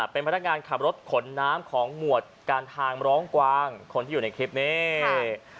เป็นพนักงานขับรถขนน้ำของหมวดการทางร้องกวางคนที่อยู่ในคลิปนี้